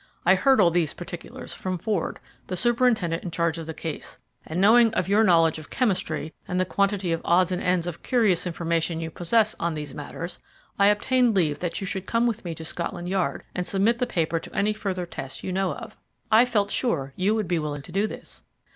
I heard all these particulars from Ford, the superintendent in charge of the case; and knowing of your knowledge of chemistry, and the quantity of odds and ends of curious information you possess on these matters, I obtained leave that you should come with me to Scotland Yard and submit the paper to any further tests you know of. I felt sure you would be willing to do this."